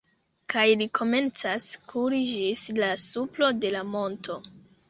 Kaj li komencas kuri ĝis la supro de la monto.